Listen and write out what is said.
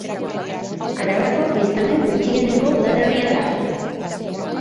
Arabako biztanle gutxieneko udalerria da.